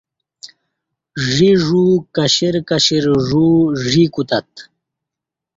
ژی ژو کشر کشر ژو ژی کوتت